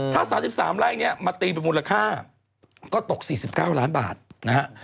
ถ้า๓๓ไร่เนี่ยมาตีเป็นมูลค่าก็ตก๔๙ล้านบาทนะฮะ